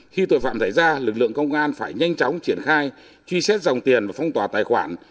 khi tội phạm xảy ra lực lượng công an phải nhanh chóng triển khai truy xét dòng tiền và phong tỏa tài khoản